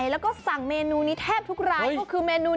ระวังกิจชื่อขนาดนี้